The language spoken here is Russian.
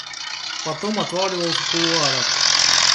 Потом отлавливал в кулуарах.